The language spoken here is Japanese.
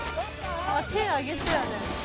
手上げてたよね。